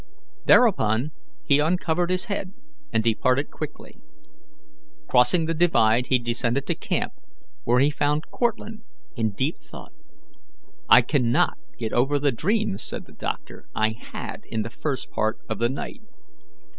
Thereupon he uncovered his head and departed quickly. Crossing the divide, he descended to camp, where he found Cortlandt in deep thought. "I cannot get over the dreams," said the doctor, "I had in the first part of the night.